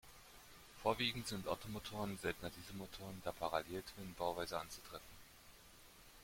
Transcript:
Vorwiegend sind Ottomotoren, seltener Dieselmotoren der Parallel-Twin-Bauweise anzutreffen.